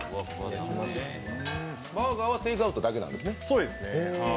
バーガーはテイクアウトだけなんですね